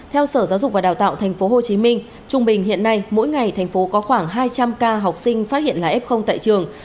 theo sở giáo dục và đào tạo tp hcm trung bình hiện nay mỗi ngày thành phố có khoảng hai trăm linh ca học sinh phát hiện là f tại trường